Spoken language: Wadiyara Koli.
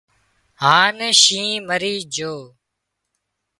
هانَ شينهن مرِي جھو